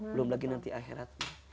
belum lagi nanti akhiratnya